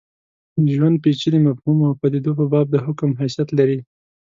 د ژوند پېچلي مفهوم او پدیدو په باب د حکم حیثیت لري.